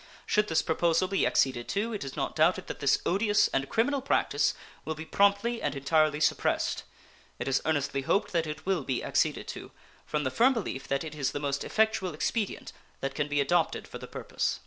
Should this proposal be acceded to, it is not doubted that this odious and criminal practice will be promptly and entirely suppressed. It is earnestly hoped that it will be acceded to, from the firm belief that it is the most effectual expedient that can be adopted for the purpose.